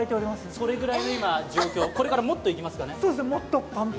それぐらいの今、状況、これからもっといきますかね？